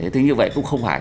thế như vậy cũng không phải